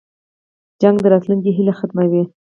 جګړه د راتلونکې هیله ختموي